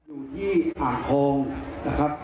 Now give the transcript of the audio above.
อื้อหือยับ